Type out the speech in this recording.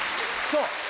そう！